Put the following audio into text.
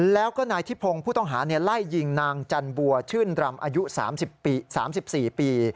แล้วก็นายทิพงศ์ผู้ต้องหาไล่ยิงนางจันบัวชื่นรำอายุ๓๔ปี